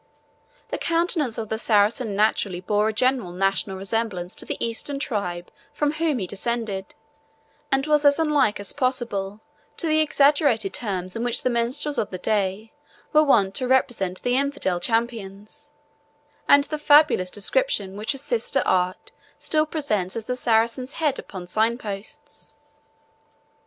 The countenance of the Saracen naturally bore a general national resemblance to the Eastern tribe from whom he descended, and was as unlike as possible to the exaggerated terms in which the minstrels of the day were wont to represent the infidel champions, and the fabulous description which a sister art still presents as the Saracen's Head upon signposts.